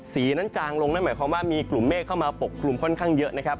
สีนั้นจางลงนั่นหมายความว่ามีกลุ่มเมฆเข้ามาปกกลุ่มค่อนข้างเยอะนะครับ